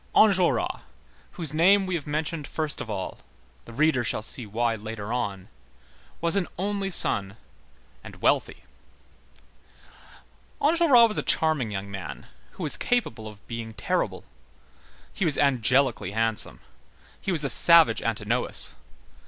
Enjolras, whose name we have mentioned first of all,—the reader shall see why later on,—was an only son and wealthy. Enjolras was a charming young man, who was capable of being terrible. He was angelically handsome. He was a savage Antinous.